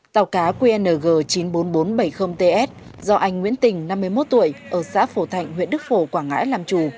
tàu cá qng chín mươi bốn nghìn bốn trăm bảy mươi ts do anh nguyễn tình năm mươi một tuổi ở xã phổ thạnh huyện đức phổ quảng ngãi làm chủ